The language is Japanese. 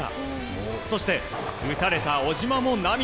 そして、打たれた小島も涙。